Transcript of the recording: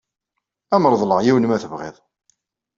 Ad am-reḍleɣ yiwen ma tebɣiḍ.